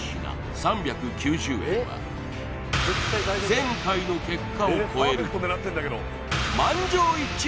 前回の結果を超える満場一致